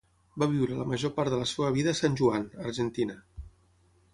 Va viure la major part de la seva vida a San Juan, Argentina.